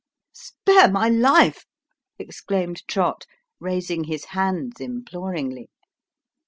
"" Spare my life !" exclaimed Trott, raising his hands imploringly.